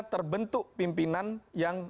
terbentuk pimpinan yang